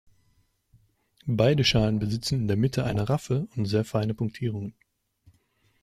Beide Schalen besitzen in der Mitte eine Raphe und sehr feine Punktierungen.